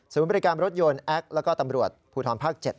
บริการรถยนต์แอคแล้วก็ตำรวจภูทรภาค๗